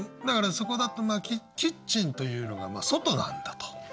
だからそこだとキッチンというのが外なんだと。